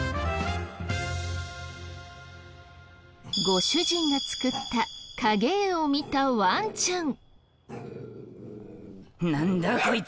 ご主人が作った影絵を見たワンちゃん。